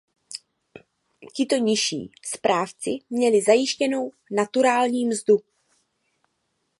Tito nižší správci měli zajištěnou naturální mzdu.